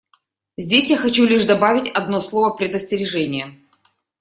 Здесь я хочу лишь добавить одно слово предостережения.